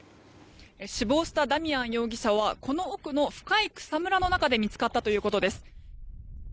死亡したダミアン容疑者はこの奥の深い草むらの中で見つかったということです。